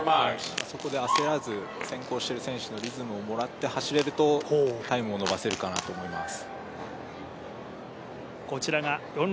そこで焦らず、先行している選手のリズムをもらって走れるとタイムを伸ばせるかなと思います。